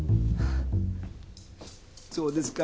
そうですか。